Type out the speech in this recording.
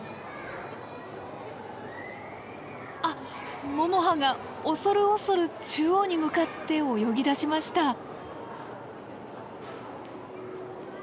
あっももはが恐る恐る中央に向かって泳ぎだしました。